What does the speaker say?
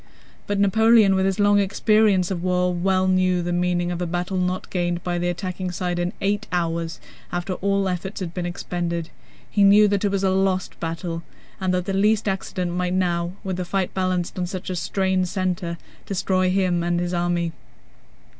But Napoleon with his long experience of war well knew the meaning of a battle not gained by the attacking side in eight hours, after all efforts had been expended. He knew that it was a lost battle and that the least accident might now—with the fight balanced on such a strained center—destroy him and his army.